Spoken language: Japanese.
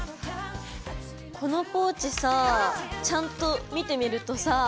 このポーチさちゃんと見てみるとさあ。